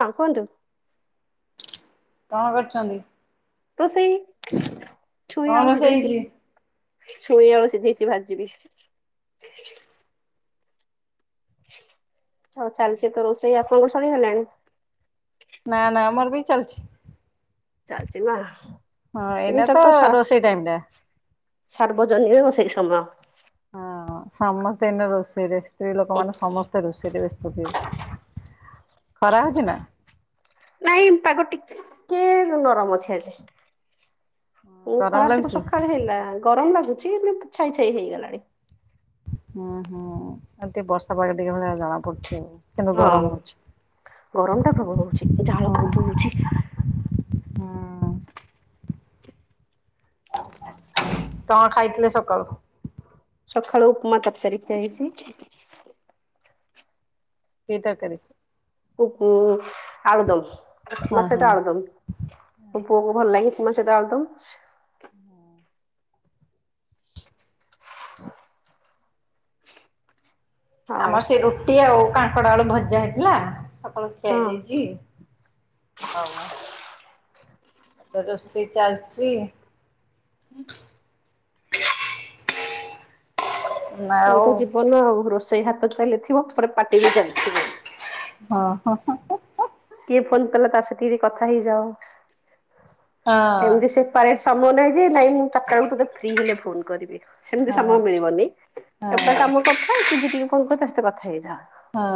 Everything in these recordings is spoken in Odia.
ହଁ କୁହନ୍ତୁ। କଣ କରୁଛନ୍ତି? ତ ସେ କଣ ରୋଷେଇ ହେଇଛି? ଛୁଇଁ ଆଳୁ ସିଝେଇଛି ଭାଜି ବି। ହଉ ଚାଲିଛି ତ ରୋଷେଇ, ଆପଣଙ୍କ ସରିଗଲାଣି? ନା ନା ଆମର ବି ଚାଲିଛି। ଚାଲଛି ମା। ହଁ ଏଇଟା ଏଇନେତ ତ ରୋଷେଇ ଟାଇମ୍ ଟା ସାର୍ବଜନୀନ ସେଇ ସମୟ। ହଁ ସମସ୍ତେ ଏଇନେ ରୋଷେଇରେ, ସ୍ତ୍ରୀ ଲୋକମାନେ ସମସ୍ତେ ଏଇନେ ରୋଷେଇରେ ବ୍ୟସ୍ତଥିବେ। ଖରା ଅଛି ନା ନାଇଁ ପାଗ ଟିକିଏ ନରମ ଅଛି ଆଜି। ଓ, ଗରମ ଖରା ଅଛି ଲାଗୁଛି? ସକାଳେ ହେଲା ଗରମ ଲାଗୁଛି ଛାଇ ଛାଇ ହେଇଗଲାଣି। ହୁଁ ହଁ ଏ ଟିକେ ବର୍ଷା ପାଗରେ ଟିକେ ଭଳିଆ ଜଣା ପୁଡୁଛି ଆଉ କିନ୍ତୁ ହଁ ଗରମ ହଉଛି। ଗରମ ଟା ପ୍ରବଳ ହଉଛି, ଝାଳ ବହୁତ ହଉଛି। ହଁ କଣ ଖାଇଥିଲେ ସକାଳୁ? ସକାଳୁ ଉପମା ତରକାରି ଖାଇଛି। କି ତରକାରୀ? ଉଁ ଆଳୁଦମ୍, ହଁ ମା ହଁ। ସେଟା ଆଳୁଦମ୍ ପୁଅକୁ ଭଲ ଲାଗି ମା ସେହିଟ ଏକଦମ [unintelligible] ହଁ [inaudible] ଆଉ ଆମର ସେ ରୁଟି ଆଉ କାଙ୍କଡ ଆଳୁ ଭଜା ହେଇଥିଲା। ସକାଳୁ ଖିଆ ହଁ। ହେଇଯାଇଛି? ହଉ। ଏବେ ରୋଷେଇ ଚାଲିଛି [unintelligible] ଏଇ ତ ଜୀବନ ଆଉ, ରୋଷେଇ ହାତ ଚାଲିଥିବ। ଏପଟେ ପାଟି ବି ଚାଲିଥିବ। ହଁ, ହଁ, ହଁ କିଏ ଫୋନ କଲା ତା ସହିତ ଟିକେ, କଥା ହେଇଯାଅ। ଏମିତି ସେପାରେଟ ସମୟ ନାଇ ଯେ ନାଇଁ ମୁଁ ଚାରିଟା ବେଳକୁ ତତେ ଫ୍ରି, ହେଲେ ଫୋନ କରିବି। ସେମିତି ସମୟ ମିଳିବନି। ଏପଟେ କାମ କରୁଥା କି, ଜି ଟିକେ ଫୋନ୍ କରୁଛି ତା ସହ କଥା ହେଇଯାଅ। ହଁ,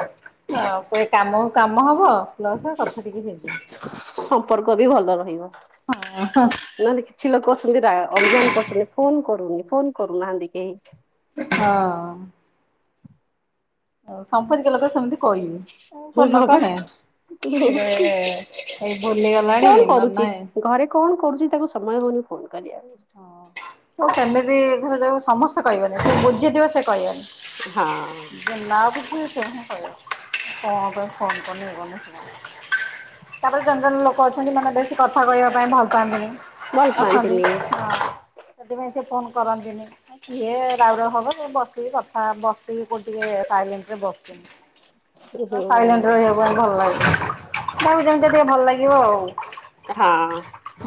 ହ ଏପଟୁ କାମକୁ କାମ ହବ ପ୍ଲସ କଥା ଟିକେ ହେଇଯିବି। ସମ୍ପର୍କ ବି ଭଲ ରହିବ। ନହେଲେ କିଛି ଲୋକ ଅଛନ୍ତି, ଅଭିମାନ କରୁଛନ୍ତି। ଫୋନ କରୁନି, ଫୋନ କରୁନାହାନ୍ତି କେହି? ହଁ। ଆଉ ସମ୍ପକ୍ରୀୟ ଲୋକ ସେମିତି କହିବେ। ହଁ ଫୋନ୍ ନ ପା କଲେ। କଣ କରୁଛି? ଘରେ କଣ, କରୁଛି? ତାଙ୍କୁ ସମୟ ହଉନି ଫୋନ କରିବାକୁ। କେମିତି ଘରେ, ସମସ୍ତେ କହିବନି ଯେ ବୁଝିଥିବ ସେ କହିବନି। ହଁ ଯିଏ ନ ବୁଝି ସିଏ ହିଁ କହିବ। କଣ ପାଇଁ ଫୋନ୍ କରୁନି ଏ କରୁନି? ତା ପରେ ଜଣେ, ଜଣେ ଲୋକ କହୁଛନ୍ତି ମନ ଦେଇକି କଥା କହିବା ପାଇଁ ଭଲ ପାଆନ୍ତିନି। ଅଛନ୍ତି ହଁ, ଭଲପାଆନ୍ତିନି। ସେଥିପାଇଁ ସେ ଫୋନ୍ କରନ୍ତିନି। କିଏ ରାଉ, ରାଉ ହବ ସେ ବସିକି କଥା, ବସିକି କଉଠି ଟିକେ ସାଇଲେଣ୍ଟରେ, ବସ ସାଇଲେଣ୍ଟ ରହିବାକୁ ଭଲ ଲାଗେ। ମୋର ଯେମିତିକା ଟିକେ ଭଲ ଲାଗିବ ଆଉ। ହଁ।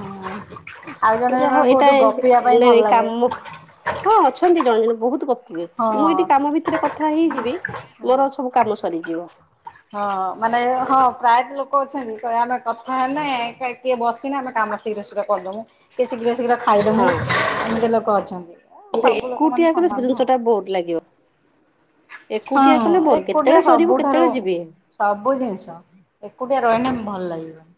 ହଁ। ଯା ହଉ ଏଇଟା, ଏ, ନାଇଁ, ନାଇଁ ଲାଗେ କାମ। ହଁ ଅଛନ୍ତି ଜଣେ ଜଣେ ବହୁତ ଗପ ହଁ ମୁଁ ଏଇଠି କାମ ଭିତରେ କଥା ହେଇଯିବି। ହଁ। ମୋର ସବୁ କାମ ସରିଯିବ। ହଁ, ମାନେ ହଁ ପ୍ରାୟତଃ ଲୋକ ଅଛନ୍ତି। କହିବେ ଆମେ କଥା ହେଲେ, କିଏ ବସିନେ ଆମେ କାମ ଶୀଘ୍ର, ଶୀଘ୍ର କରିଦବୁ। କିଏ ଶୀଘ୍ର, ଶୀଘ୍ର ହଁ ଖାଇଦମୁୁ ଏମିତି ଲୋକ ଅଛନ୍ତି। କିନ୍ତୁ ସବୁ ଲୋକମାନେ ଏକୁଟିଆ କଲେ, ସମାନ ସବୁ ଜିନିଷ ନୁହଁ। ଟା, ବୋର ଲାଗିବ। ହଁ, ଏକୁଟିଆ କଲେ ବୋର କେତେବେଳେ ଏକୁଟିଆ ସରିବ ସବୁଠାରୁ କେତେବେଳେ ଯିବି ସବୁ ଜିନିଷ ଏକୁଟିଆ ରହିନେ ଭଲ ଲାଗିବ। [inaudible]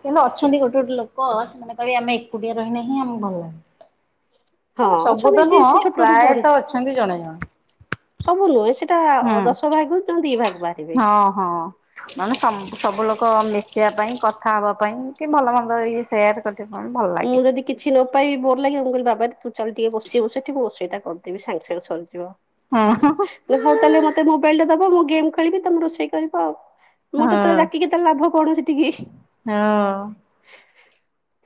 କିନ୍ତୁ ଅଛନ୍ତି ଗୋଟେ, ଗୋଟେ ଲୋକ। ସେମାନେ କହିବେ, ଆମେ ଏକୁଟିଆ ରହିନେ ହିଁ ଆମକୁ ଭଲ ଲାଗେ। ହଁ ମାନେ ସବୁ ଅଛନ୍ତି ତ ଯିଏ ନୁହଁ, ସେ ଛୋଟରୁୁ ବଡେ ପ୍ରାୟତଃ ଅଛନ୍ତି ଜଣେ, ଜଣେ। ସବୁ ନୁହେଁ। ସେଇଟା ହୁଁ। ଦଶ ଭାଗରୁ ଜମା ଦି ଭାଗ ବା ହଁ ହଁ। ମାନେ ସବୁ ଲୋକ ମିଶିବା ପାଇଁ କଥା କଥା ହବା ପାଇଁ, କି ଭଲ ମନ୍ଦ ଇଏ ସେୟାର କରି ମୁଁ ଯଦି କିଛି ନ ପାଇବି ବୋର ଲାଗିବ। ମୁଁ କହିଲି ବାପ ହାରେ ତୁ ଚାଲ ଟିକେ ବସିିବୁ ସେଠି। ରୋଷେଇଟା କରିଦେବି ସାଙ୍ଗେ ସାଙ୍ଗେ ସରିଯିବ। ହଁ ହଉ ତାହେଲେ, ମତେ ମୋବାଇଲ ଟା ଦବ। ମୁଁ ଗେମ୍ ଖେଳିବି, ତମେ ରୋଷେଇ କରିବ ଆଉ। ମୁଁ ହଁ ତତେ ଡାକିକି ତାହେଲେ ଲାଭ, କଣ ସେଠିକି। ହଁ।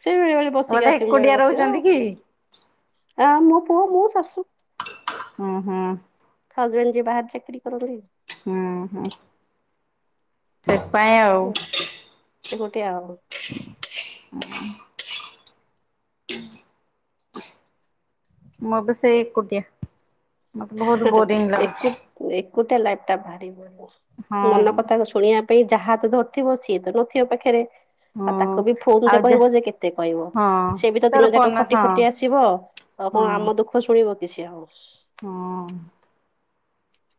ସେ ବସିକି ବୋଧେ ଆସିମୁୁ, ଏକୁଟିଆ ବସିବ ରହୁଛନ୍ତି କି? ଆ ମୁ କୁହ, ମୋ ଶାଶୁ ହଁ ହଁ। ହଜବେଣ୍ଡ ଯିଏ ବାହାର ଚାକିରି କରନ୍ତି। ହୁଁ, ହଁ। ସେଥିପାଇଁ ଆଉ। ଏକୁଟିଆ ଆଉ। [inaudible] ମୁଁ ବି ସେଇ ଏକୁଟିଆ। ମତେ ବହୁତ ବୋରିଂ ଲାଗୁଛି ଏକୁଟ ଏକୁଟିଆ ଲାଇଫ ଟା ଭାରି ବୋରିଙ୍ଗ। ମନ ହଁ। କଥା ଶୁଣିବା ପାଇଁ ଯାହା ହାତ ଧରିଥିବ ସିଏ ତ ନଥିବ ପାଖରେ ହଁ ଆଉ ତାକୁ ବି ଫୋନ ରେ କହିବ ଯେ କେତେ କହିବ, ହଁ ସେ ବି ତ ଦିନ ତୋର ଯାକ ଫୋନ ଖଟି ହଁ ଖଟି ଆସିବ ଆଉ କଣ ହଁ ଆମ ଦୁଃଖ ଶୁଣିବ କି ସିଏ ଆଉ। ହଁ।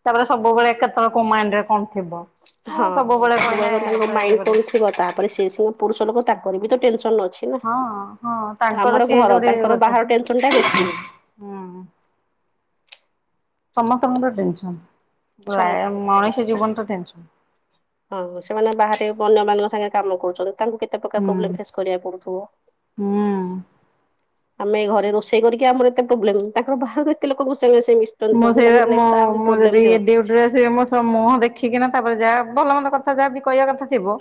ତାପରେ ସବୁବେଳେ କେତେବେଳେ କୋଉ ମାଇଣ୍ଡରେ କଣ ଥିବ। ମୁଁ ହଁ କହିଲେ ସବୁବେଳେ ତାଙ୍କ ପୁରା ଇଏ ମାଇଣ୍ଡ କରିବି। କଣ ଥିବ। ତାପରେ ସିଏ ସବୁ ପୁରୁଷ ଲୋକ ତାଙ୍କର ବି ତ ଟେନସନ ଅଛ ହଁ ହଁ ତାଙ୍କର ସିଏ ଯୋଉଠି ତାଙ୍କର ଅଛ ବାହାର ଟେନସନ ଟା ବେଶୀ ହଁ। ସମସ୍ତଙ୍କର ଟେନସନ୍। ପ୍ରାୟ ସମସ୍ତଙ୍କ ମଣିଷ ଟେନସନ। ଜୀବନ ତ ଟେନସନ। ହଁ ସେମାନେ ବାହାରେ ଅନ୍ୟ ମାନଙ୍କ ସାଙ୍ଗରେ କାମ କରୁଛନ୍ତି। ତାଙ୍କୁ କେତେ ପ୍ରକାର ହୁଁ ପ୍ରୋବ୍ଲେମ୍ ଫେସ କରିବାକୁ ପଡୁଥିବ। ହୁଁ। ଆମେ ଘରେ ରୋଷେଇ କରିକି ଆମର ଏତେ ପ୍ରୋବ୍ଲେମ, ତାଙ୍କର ବାହାରୁ ଏତେ ଲୋକଙ୍କ ସାଙ୍ଗେ ସିଏ ମିଶୁଚନ୍ତି ମୁଁ ସେଉଟୁ ତାଙ୍କୁ ନେଇକି ଆହୁରି ପ୍ରୋବ୍ଲେମ୍ ଥିବ। ସେ ମୋ ସହ ମୁହଁ ଦେଖିକିନା ତାପରେ ଯାହା ଭଲ ମନ୍ଦ କଥା ଯାହା କହିବା କଥା ଥିବ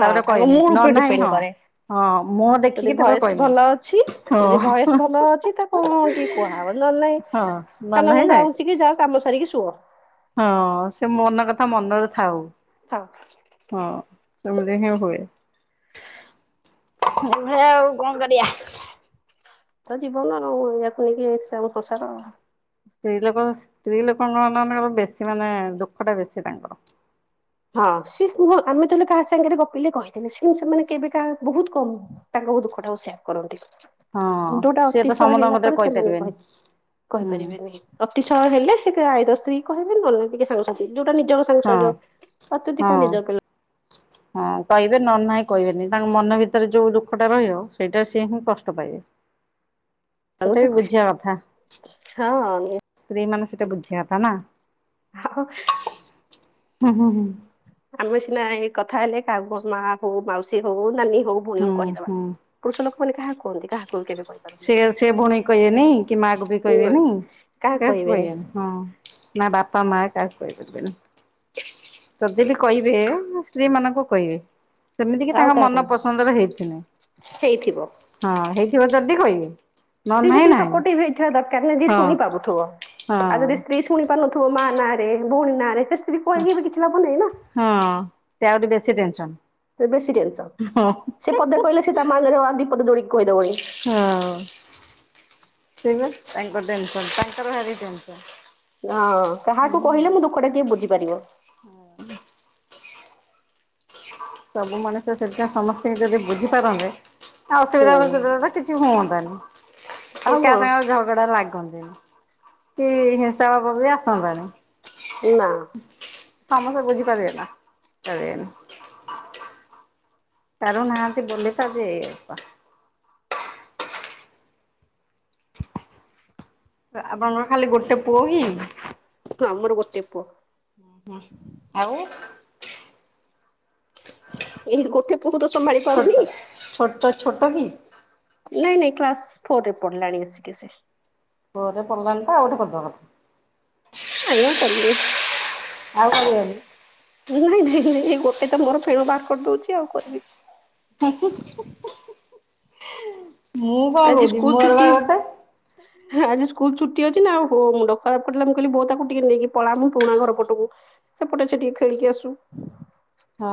ହଁ ତାପରେ ତାଙ୍କ କହିମି ମୁଡ ଉପରେ ନହେଲେ ନାହିଁ ଡିପେଣ୍ଡ ହଁ। କରେ ହଁ ମୁହଁ ଯଦି ଦେଖିକି ତାପରେ ଭଏସ କହିବି ଭଲ ଅଛି ଯଦି ଭଏସ ହଁ। ଭଲ ଅଛି ତାକୁ ଟିକେ କୁହାହବ ନହେଲେ ନାଇଁ ହଁ ନ କାନ ନାହିଁ ମୁୁଣ୍ଡ ନାଇଁ। ଆଉଁସିକି ଯାଅ କାମ ସରିକି ଶୁଅ। ହଁ ସେ ମନ କଥା ମନରେ ଥାଉ। ଥାଉ। ହଁ ସେମିତି ହିଁ ହୁଏ। [inaudible] ଏଇଭଳିଆ ଆଉ କଣ କରିଆ? ଏଇତ ଜୀବନ ଆଉ ଏୟାକୁ ନେଇକି ଅଛି ଆମ ସଂସାର। ସ୍ତ୍ରୀ ଲୋକ ସ୍ତ୍ରୀ ଲୋକଙ୍କ ମାନନଙ୍କର ବେଶୀ ମାନେ ଦୁଃଖ ଟା ବେଶୀ ତାଙ୍କର। ହଁ ସେ କୁହ ଆମେ ତାହେଲେ କାହା ସାଙ୍ଗରେ ଗପିଲେ କହିଦେଲେ ସେ କିନ୍ତୁ ସେମାନେ କେବେ କାହା ବହୁତ କମ ତାଙ୍କ ଦୁଃଖଟା ସେୟାର କରନ୍ତି। ହଁ ଯୋଉଟା ସିଏ ତ ଅତିଶୟ ସମସ୍ତଙ୍କ ହେଲା କତିରେ ପରେ ସେମାନେ କହିପାରିବେନି କହି ହୁଁ କହିପାରିବେନି। ଅତିଶୟ ହେଲେ ସେ ଆଇଦର୍ ସ୍ତ୍ରୀକି କହିବେ ନହେଲେ ଟିକେ ସାଙ୍ଗସାଥି ଯୋଉଟା ନିଜର ହଁ ସାଙ୍ଗସାଥି ଅତ୍ୟଧିକ ହଁ। ନିଜର ପିଲା ହଁ କହିବେ ନହେନେ ନାହିଁ କହିବେନି, ତାଙ୍କ ମନ ଭିତରେ ଯୋଉ ଦୁଃଖ ଟା ରହିବ ସେଇଟା ସିଏ ହିଁ କଷ୍ଟ ପାଇବେ। [inaudible] ପିଲାଙ୍କୁ ସେଟା ସେ ବି କହିବେ ବୁଝିବା କଥା। ହଁ ସ୍ତ୍ରୀ ମାନେ ସେଟା ବୁଝିବା କଥା ନା। ଆଉ ହୁଁ ହୁଁ ହୁଁ। ଆମେ ସିନା ଏଇ କଥା ହେଲେ କାହାକୁ କହୁ ମା ହଉ, ମାଉସୀ ହଉ, ନାନୀ ହଉ ହଉ ହୁଁ ଭଉଣୀକୁ କହିଦବା, ହୁଁ ପୁରୁଷ ଲୋକମାନେ କାହାକୁ କୁହନ୍ତି? କାହାକୁ କେବେ କହିପାରନ୍ତିନି ସେୟା ସେ ଭଉଣୀ କହିବେନି କି ମାକୁ ବି କହିବେନି କାହାକୁ କହିବେନି ହଁ। ନା ବାପା ମା କାହାକୁ କହିପାରିବେନି? ଯଦି ବିି କହିବେ, ସ୍ତ୍ରୀ ମାନଙ୍କୁ କହିବେ। ସେମିତିକି ଆଉ ତାଙ୍କ ମନ କାହାକୁ ପସନ୍ଦର ହେଇଥିଲେ। ହେଇଥିବ ହଁ ହେଇଥିବ ଯଦି କହିବେ। ନ ସ୍ତ୍ରୀ ନାହିଁ ସେତିକି ନାହିଁ ସପୋର୍ଟିଭ ହେଇଥିବା ଦରକାର ନା ଯିଏ ହଁ ଶୁଣି ପାରୁଥିବ, ଆଉ ଯଦି ହଁ ସ୍ତ୍ରୀ ଶୁଣି ପାରୁନଥିବ ମାଁ ନାଁରେ ଭଉଣୀ ନାଁରେ ତ ସ୍ତ୍ରୀ କୁ କହିକି ବି କିଛି ଲାଭ ନାଇଁ ନା। ସେତେ ଟେନସନ। ସେ ବେଶୀ ଟେନସନ। ସେ ପଦେ କହିଲେ ସେ ତା ମାଁ ଆଗରେ ଆଉ ଦି ପଦ ଯୋଡିକି କହିଦବଣି। ହଁ, ସେଇ ବା ତାଙ୍କ ଟେନସନ ତାଙ୍କର ଭାରି ଟେନସନ। ହଁ କାହାକୁ କହିଲେ ମୁଁ ଦୁଃଖ ଟା କିଏ ବୁଝିପାରିବ ସବୁ ମଣିଷ ସେଥିପାଇଁ ସମସ୍ତଙ୍କୁ ଯଦି ବୁଝିପାରନ୍ତେ ହୁଁ ଅସୁବିଧା ଫସୁବିଧା ତ କିଛି ହୁଅନ୍ତାନି। ଆଉ କି କଣ? କାହା ସାଙ୍ଗରେ ଝଗଡା ଲାଗନ୍ତେନି। କି ହିଂସା ଭାବ ବି ଆସନ୍ତାନି। ନା। ସମସ୍ତେ ବୁଝିପାରିବେନି ପାରିବେନି ପାରୁ ନାହାନ୍ତି ବୋଲି ତ ଆଜି ଏ ଅବସ୍ତା। ଆପଣଙ୍କର ଖାଲି ଗୋଟେ ପୁଅ କି? ଆମର ଗୋଟେ ପୁଅ ନା ହଁ ଆଉ ଏ ଗୋଟେ ପୁଅତଃ ଛୋଟ ଛୋଟ ଛୋଟକି? ନାଇଁ ନାଇଁ କ୍ଲାସ ଫୋର୍ ରେ ପଢିଲାଣି ଆସିକି ସେ ଫୋର ରେ ପଡ଼ିଲାଣି ତ ଆଉଗୋଟେ କାରିଦେବା କଥା ନାଇଁ ଆଉ କରିବିନି। ଆଉ କରିବନି ନାଇଁ ନାଇଁ ନାଇଁ ଏଇ ଗୋଟେ ତୋର ଫେଣ ବାହାର କରିଦଉଛି ଆଉ କରିବି ହୁଁ ହୁଁ ହୁଁ ହୁଁ ହୁଁ ହୁଁ। ମୁଁ କଣ ଆଜି କହୁଚି ସ୍କୁଲ ମୋର ପା ଛୁଟି ଗୋଟେ ଆଜି ସ୍କୁଲ ଛୁଟି ଅଛି ନା ଆଉ ହଉ ଡରା ପଟିଲା ମୁଁ କହି ବଉ ତାକୁ ଟିକେ ନେଇକି ପଳା ମୋ ପୁରୁଣା ଘର ପଟକୁ ସେପଟେ ସେ ଟିକେ ଖେଳିକି ଆସୁ ହଁ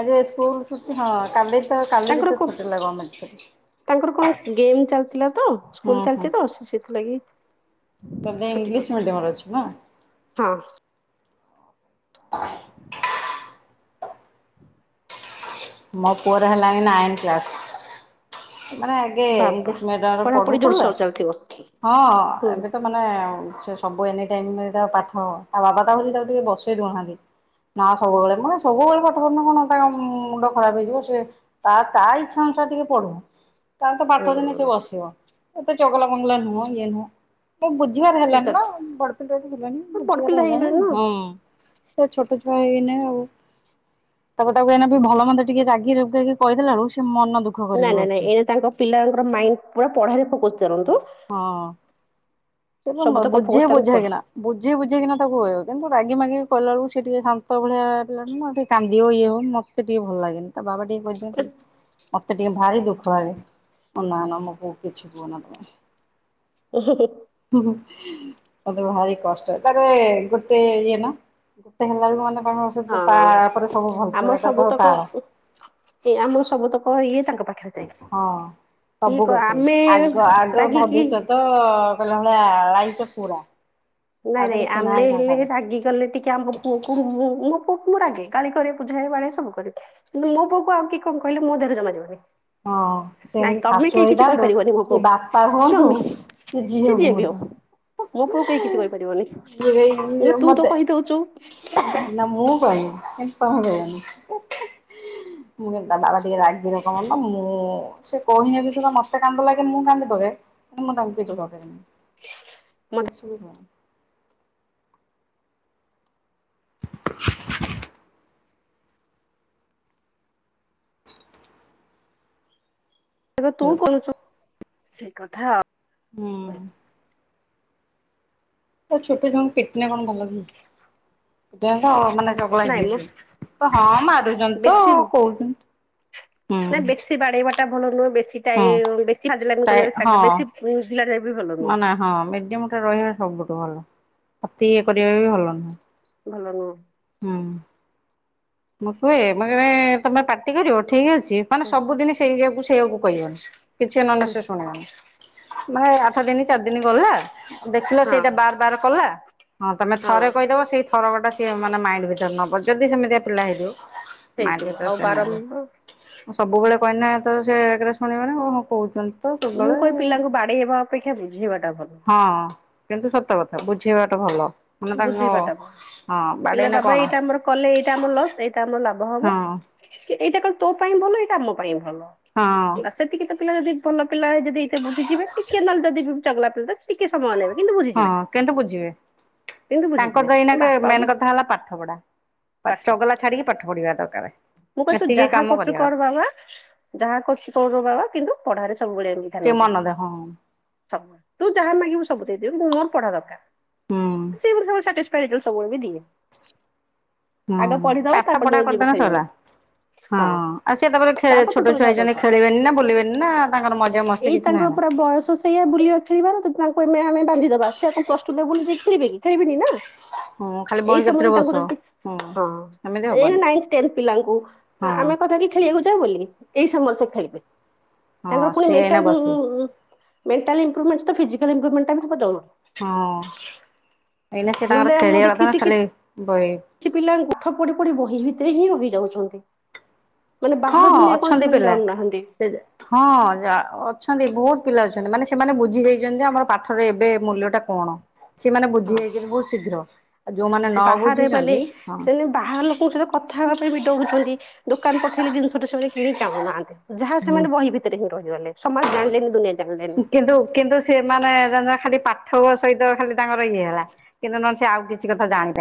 ଆଜି ସ୍କୁଲ ଛୁଟି ହଁ। କାଲି ତ କାଲିବି ତାଙ୍କର ତ ଛୁଟି କ- ନା କଣ ଅଛି ତାଙ୍କର କଣ ଗେମ୍ ଚାଲିଥିଲା ତ ହୁଁ ସ୍କୁଲ ହୁଁ ଚାଲିଛି ତ ସେ ସେଥିଲାଗି ବୋଧେ ଛୁଟି ଇଂଲିଶ କରିଦେଇଛୁ ମିଡିୟମରେ ଅଛି ନା? ହଁ ମୋ ପୁଅର ହେଲାଣି ନାଇନ୍ କ୍ଲାସ୍ ମାନେ ଆଗେ ବାବା ଇଂଲିଶ ମିଡିୟମ ରେ ପଢାପଢି ପଢୁଥିଲା। ଜୋରସୋର ଚାଲିଥିବ ହଁ ହୁଁ ଏବେ ତ ମାନେ ସବୁ ଏନି ଟାଇମ ତା ପାଠ ତା ବାବା ତାକୁ ଏଇନୁ ତାକୁ ଟିକେ ବସେଇ ଦୋଉନାହାନ୍ତି। ନା ସବୁବେଳେ ମାନେ ସବୁବେଳେ ପାଠ ପଢ଼ିଲେ ତା ମୁଣ୍ଡ ଖରାପ ହେଇଯିବ ସେ ତା ତା ଇଚ୍ଛା ଅନୁସାରେ ଟିକେ ପଢ଼ୁ ତାର ତା ପାଠ ଦିନେ ସେ ହୁଁ ବସିବ ଏତ ଚଗଲା ବଗୁଲା ନୁହଁ ଇଏ ନୁହଁ। ବୁଝିବାର ହେଲାଣି ନା ତା- ବଡ ପିଲାଟି ହେଲାଣି ବଡ ବୁଝିବାର ପିଲା ହେଲାଣି ହେଇଗଲେଣି ନା ତ ଛୋଟ ଏଇନି ଆଉ ତାକୁ ତାକୁ ଏଇନା ବି ଭଲ ମନ୍ଦ ଟିକେ ରାଗି ରଗେଇକି କହିଦେଲା ବଳକୁ ସେ ମନ ଦୁଃଖ ନାଇଁ କରିକି ନାଇଁ ବସିଛି ନାଇଁ ଏ ତାଙ୍କ ପିଲାଙ୍କର ମାଇଣ୍ଡ ପୁରା ପଢ଼ାରେ ଫୋକସ କରନ୍ତୁ। ହଁ ସେବେ ସବୁତକ ଫୋକସ ବୁଝେଇ ତାଙ୍କୁ ପଢା ବୁଝେଇକିନା ବୁଝି ବୁଝେଇକିନା ତାକୁ କ କିନ୍ତୁ ରାଗି ମାଗିକିି କଇଲା ବଳକୁ ସେ ଟିକେ ଶାନ୍ତ ଭଳିଆ ପିଲାଟି ଟିକେ କାନ୍ଦିିବ ଇଏ ହବ ମୋତେ ଟିକେ ଭଲ ଲାଗେନି ତା ବାବା ଟିକେ ଖେଇଦିନ୍ତି ମତେ ଟିକେ ଭାରି ଦୁଃଖ ଲଗେ ନା ନା ମୋ ପୁଅକୁ କିଛି କୁହନା ତୁମେ। ଉହୁଁ ହୁଁ ହୁଁ। ହୁଁ ହୁଁ ମତେ ଭାରି କଷ୍ଟ ତାହରେ ଗୋଟେ ଇଏ ନା ଗୋଟେ ହେଲା ବଳକୁ ମାନେ ହଁ ସେତ ତା ପରେ ସବୁ ଆମର ଭଲ କହିବ ସବୁତକ ତାର। ଏ ଆମର ସବୁତକ ଇଏ ତାଙ୍କ ପାଖରେ ଯାଇକି ହଁ। କି ସବୁ କ ଗଛେ ଆମେ ଆଗ ଆଗ ରାଗିକି ଭବିଷ୍ୟତ କହିଲ ଭଳିଆ ଲାଇଫ ପୁରା। ଆଉ ନାଇଁ ତ ନାଇଁ କିଛି ଆମେ ନାହିଁ ହେଲେ ସଂସାରରେ ରାଗିଗଲେ ଟିକେ ଆମ ପୁଅକୁ ମୁଁ ମୁଁ ମୁଁ ରାଗେ ଗାଳି କରେ ବୁଝାଏ ବାଡାଏ ସବୁ କରେ। କିନ୍ତୁ ମୋ ପୁଅକୁ ଆଉ କିଏ କଣ କାହିଲେ ମୋ ଦେହରେ ଜମା ଯିବନି। ହଁ। ନାଇଁ ତେଣିକି ତମେ ଶାଶୁ କେହି କିଛି ହେଇଥାନ୍ତୁ କହିପାରିବନି ମୋ କି ପୁଅକୁ ବାପା ହୁଅନ୍ତୁ ସ୍ଵାମୀ କି ଜିଏ ହୁଅନ୍ତୁ। ମୁଁ ପୁଅକୁ କେହି କି କହିପାରିବନି ଇଏ ତୁ ତ ମତେ ନା ମୁଁ କହିଦୋଉଚୁ କହିବି କିନ୍ତୁ ତମେ ହେ ହେ ମୁଁ କହିଲି ତା ବାବା ଟିକେ ରାଗି ଲୋକ ମାନେ ଓ ସେ କହିଯା‌ହା ସିନା ମତେ କାନ୍ଧ ଲାଗେ ମୁଁ କାନ୍ଧି ପକାଏ। ମୁଁ ତାଙ୍କୁ କିଛି ହୁଁ, କୁହେନି ମତେ କିଛି ବି କୁହେନି। ଏବେ ତୁ ହୁଁ କରୁଚୁ ସେ କଥା। ତ ଛୋଟ ଛୁଆଙ୍କୁ ପିଟିଲେ କଣ ଭଲ କି ପିଟିଲେ ମାନେ ରୋଗୁଆ ନାଇଁ ମ ହେଇଯିବେ ସେ ହଁ ମାରୁଛନ୍ତି ତ ବେଶୀ କହୁ ନା ବେଶୀ ବାଢେଇବାଟା ଭଲ ନୁହେଁ ବେଶ। ସେଟା ଏଇ ବେସି ଫାଜିଲାମି କରିବା ହଁ ଛାଡି ହଁ। ବେସି ଫୁଜିଲା କରିବା ବି ଭଲ ନୁହଁ। ମାନେ ହଁ ମିଡିୟମ ଟା ରହିବା ସବୁଠୁ ଭଲ ଅତି ଇଏ କରିବା ବି ଭଲ ନୁହଁ। ଭଲ ନୁହଁ। ହୁଁ। ମୁଁ କୁହେ ମଁ କେ ତମେ ପାର୍ଟି କରିବ ଠିକ୍ ଅଛି। ମାନେ ହୁଁ, ହୁଁ। ସବୁଦିନ ସେଇକୁ ସେଇଆକୁ କହିବନି କିଛି ନହେଲେ ସେ ଶୁଣିବନି। ମାନେ ଆଠ ଦିନ ଚାରି ଦିନ ଗଲା ଦେଖିଲ ହଁ ସେଇଟା ବାର ବାର କଲା। ହଁ ତମେ ଥରେ କହିଦବ ସେଇ ଥରଟା ସି ମାନେ ମାଇଣ୍ଡ ଭିତରେ ନବ ଯଦି ସେମିତିଆ ପିଲା ହେଇଥିବ। ହେଇଥିବ ମାଝେଟେ ଆଉ ସେ ବାରମ୍ବାର ନେବ ସବୁବେଳେ କହିନା ତ ସେ ଶୁଣିବନି ହଁ କହୁଛନ୍ତି। ତ ମୁଁ କହେ ସବୁବେଳେ ପିଲାଙ୍କୁ ବାଡେଇବା ଅପେକ୍ଷା ବୁଝେଇବାଟା ଭଲ। ହଁ କିନ୍ତୁ ସତ କଥା ବୁଝେଇବା ଟା ଭଲ। ମାନେ ତାଙ୍କ ବୁଝେଇବା ହଁ ଭଲ ପିଲା ବାଡେଇଲେ ବାବା କଣ ଏଇଟା ଆମର କଲେ ଏଇଟା ଆମର ଲସ୍ ଏଇଟା ଆମର ଲାଭ। ହଁ ବ ଏଇଟା କଣ ତୋ ପାଇଁ ଭଲ ଏଇଟା ଆମ ପାଇଁ ଭଲ ହଁ ନା ସେତିକି ତ। ପିଲାଜଦି ଭଲ ପିଲା ସେ ବୁଝି ଯବେ ଟିକେ ନହେଲେ ଜଦି ଚଗଲା ପିଲାତ ଟିକେ ସମୟ ଲାଗିବ। ହଁ କିନ୍ତୁ ବୁଝିବେ କିନ୍ତୁ ବୁଝିଯିବେ ତାଙ୍କର ଦଇନାକ ବାପା ମେନ୍ କଥା ହେଲା ପାଠ ପଢା। ବାସ ଚଗଲା ଛାଡିକି ପାଠ ପଢିବା ଦରକାରେ। ମୁଁ କହିଲି ଯାହା କରୁଛି କର ବାବା ଯାହା କରୁଛୁ କର ବାବା କିନ୍ତୁ ପଢାରେ ସବୁବେଳେ ଏମିତି ଟିକେ ଧ୍ୟାନ ମନ ଦେ ହଁ। ସବୁ ତୁ ଯାହା ମାଗିବୁ ସବୁ ଦେଇଦେବି କିନ୍ତୁ ମୋର ପଢା ଦରକାର। ହୁଁ ସିଏ ମତେ ସବୁବେଳେ ସାଟିସ୍ପାଏ ସବୁବେଳେ ବି ଦିଏ। ହଁ ଆଗ ପଢିଦବ ପାଠ ତାପରେ ପଢା ଯୋଉ ଯିବୁ କରିଦେଲେ ସଇଲା। ଖେଳିବାକୁ। ହଁ ଆଉ ସିଏ ତାପରେ ତୁ ଛୋଟ ତୋର ଛୁଆ ଯାହା ହେଇଛନ୍ତି କରୁଛୁ। ଖେଳିବେନି ନା ବୁଲିବେନି ନା ତାଙ୍କର ମ। ଏଇ ତାଙ୍କର ପୁରା ବୟସ ସେଇଆ ବୁଲିବା ଖେଳିବାର ଜଦି ତାଙ୍କ ମେ ଆମେ ବାନ୍ଧିଦବା ସେ କଣ ପ୍ଲସ ଟୁ ଲେବୁଲୁ ଜାଏ ଖେଳିବେ କି ଖେଳିବେନି ନାଁ। ହଁ ଖାଲି ବହି ଏଇ କତିରେ ସମୟରେ ବସ ତାଙ୍କର ଶି ହୁଁ ହଁ ଏମିତି ଏଇନା ହବନି ନାଇ ଟେନ୍ ପିଲାଙ୍କୁ ହଁ ଆମେ କଥା କିି ଖେଳିବାକୁ ଯାଉ ବୋଲି। ଏଇ ସାମୟରେ ସେ ଖେଳିବେ। ତାଙ୍କର ହଁ। ପୁଣି ସିଏ ଏଇନା ମେଣ୍ଟାଲ ଉଁ ବସିବେ। ଉଁ ଉଁ ମେଣ୍ଟାଲ ଇମ୍ପମେର୍ଣ୍ଟ ସ‌ହିତ ଫିଜିକାଲ ଇମ୍ପ୍ରମେଣ୍ଟା ହେବା ଜରୁରୀ। ହଁ ଏଇନା ସେ ତାଙ୍କର ନହେଲେ ମୁଁ ଖେଳିବା କଥା ଦେଖିଛି ନା କି ଖାଲି ବହି କିଛି ପିଲା ପାଠ ପଢି ପଢି ବହି ଭିତରେ ହିଁ ରହିଯାଉଛନ୍ତି। ମାନେ ହଁ ବାହାର ଦୁନିଆ କଣ ଅଛନ୍ତି ସେମାନେ ପିଲା ଜାଣୁନାହାନ୍ତି ସେ ହଁ ଆ ଅଛନ୍ତି ବହୁତ ପିଲା ଅଛନ୍ତି ମାନେ ସେମାନେ ବୁଝି ଯାଇଛନ୍ତି ଆମର ପାଠର ଏବେ ମୂଲ୍ୟ ଟା କଣ। ସେମାନେ ବୁଝି ହଁ ଯାଇଛନ୍ତି ବହୁତ ଶୀଘ୍ର ଆଉ ଯୋଉମାନେ ନ ବାହାରେ ମାନେ ବୁଝିଛନ୍ତି ହଁ। ସେମାନେ ବାହାର ଲୋକଙ୍କ ସହିତ କଥା ହେବା ପାଇଁ ବି ଡରୁଛନ୍ତି ଦୋକାନ ପଠେଇଲେ ଜିନିଷଟା ସେମାନେ କିଣିକି ଆଣୁନାହାନ୍ତି। ଯାହା ହୁଁ ସେମାନେ ବହି ଭିତରେ ହିଁ ରହିଗଲେ ସମାଜ ଜାଣିଲେନି ଦୁନିଆ ଜାଣିଲେନି। କିନ୍ତୁ କିନ୍ତୁ ସେମାନେ ଖାଲି ପାଠ ସହିତ ଖାଲି ତାଙ୍କର ଇଏ ହେଲା କିନ୍ତୁ ନହେ ସେ ଆଉ କିଛି କଥା ଜାଣିନି।